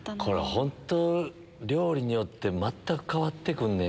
本当料理によって全く変わって来んねや。